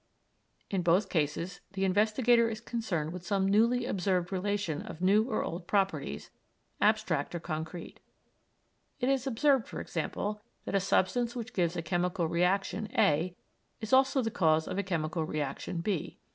In both cases the investigator is concerned with some newly observed relation of new or old properties, abstract or concrete. It is observed, for example, that a substance which gives a chemical reaction A is also the cause of a chemical reaction B.